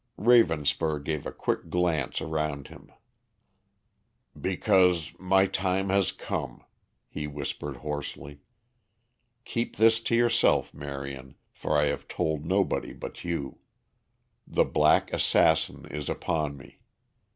Ravenspur gave a quick glance around him. "Because my time has come," he whispered hoarsely. "Keep this to yourself, Marion, for I have told nobody but you. The black assassin is upon me.